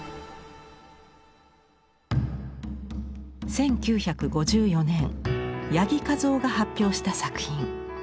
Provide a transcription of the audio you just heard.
１９５４年八木一夫が発表した作品。